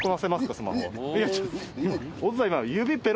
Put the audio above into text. スマホ。